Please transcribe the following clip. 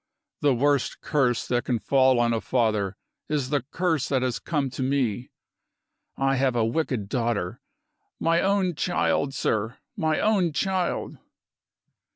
The worst curse that can fall on a father is the curse that has come to me. I have a wicked daughter. My own child, sir! my own child!"